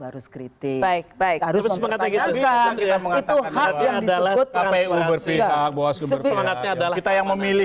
harus kritik baik baik harus mengatakan itu adalah kpu berpihak kita yang memilih